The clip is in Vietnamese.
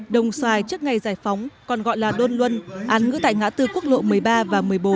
đồng xoài trước ngày giải phóng còn gọi là đôn luân án ngữ tại ngã tư quốc lộ một mươi ba và một mươi bốn